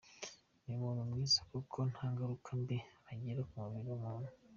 Ni umuti mwiza kuko nta ngaruka mbi ugira ku mubiri w’umuntu.